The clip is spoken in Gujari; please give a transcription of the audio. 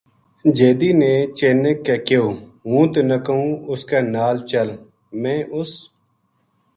جیدی نے چِینک کے کہیو ہوں تنا کہوں اس کے نال چل میں اس